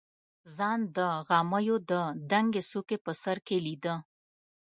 ځان د غمیو د دنګې څوکې په سر کې لیده.